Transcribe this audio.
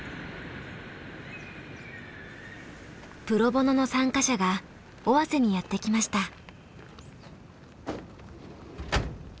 プロボノの参加者が尾鷲にやって来ました。